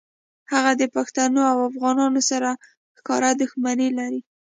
هغه د پښتون او افغان سره ښکاره دښمني لري